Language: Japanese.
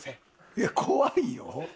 いや怖いよ。